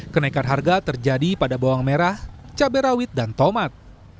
kenaikan harga terjadi pada bawang merah cabai rawit dan tomat